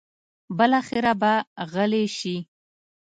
بالاخره به غلې شي.